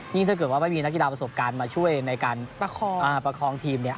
ถ้าเกิดว่าไม่มีนักกีฬาประสบการณ์มาช่วยในการประคองทีมเนี่ย